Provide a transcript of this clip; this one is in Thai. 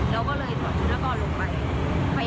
แล้วก็เลยถอดชุนกรลงไป